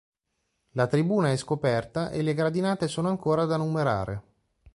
La tribuna è scoperta e le gradinate sono ancora da numerare.